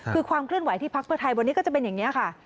คือความเคลื่อนไหวที่พักเพื่อไทยวันนี้ก็จะเป็นอย่างนี้ค่ะ